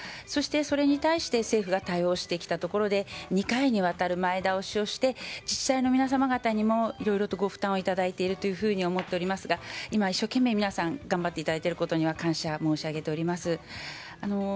そしてそれに対して政府が対応してきたところで２回にわたる前倒しをして自治体の皆様方にもいろいろご負担をいただいていると思いますが今、一生懸命、皆さん頑張っていただいていることには感謝申し上げております。